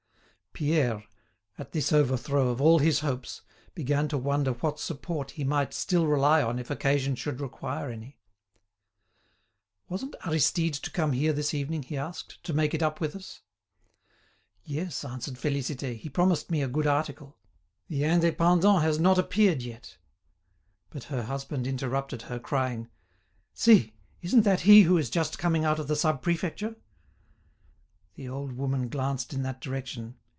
Pierre, at this overthrow of all his hopes, began to wonder what support he might still rely on if occasion should require any. "Wasn't Aristide to come here this evening," he asked, "to make it up with us?" "Yes," answered Félicité. "He promised me a good article. The 'Indépendant' has not appeared yet—" But her husband interrupted her, crying: "See! isn't that he who is just coming out of the Sub Prefecture?" The old woman glanced in that direction.